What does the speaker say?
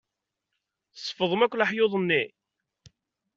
Tsefḍem akk leḥyuḍ-nni?